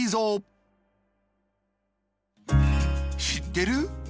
しってる？